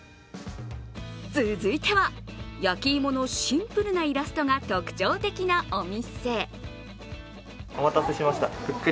続いては、焼き芋のシンプルなイラストが特徴的なお店。